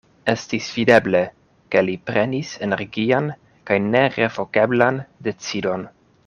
Estis videble, ke li prenis energian kaj nerevokeblan decidon.